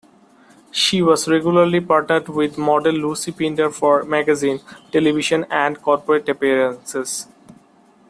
She was regularly partnered with model Lucy Pinder for magazine, television, and corporate appearances.